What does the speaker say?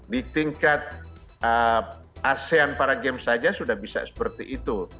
di tingkat asean para games saja sudah bisa seperti itu